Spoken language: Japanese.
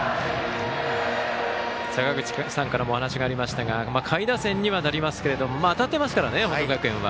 坂口さんからもお話がありましたが下位打線にはなりますが当たってますからね、報徳学園は。